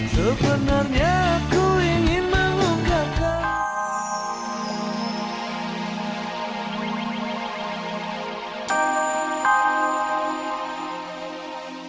cewek gue mau dibangun barang